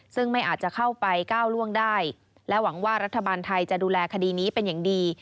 ซึ่งไม่อาจจะเข้าไปก้าวล่วงได้และหวังว่ารัฐบาลไทยจะดูแลคดีนี้เป็นอย่างดี